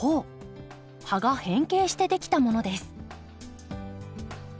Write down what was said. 葉が変形してできたものです。